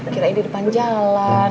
kirain di depan jalan